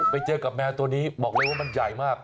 ไปเจอกับแมวตัวนี้บอกเลยว่ามันใหญ่มาก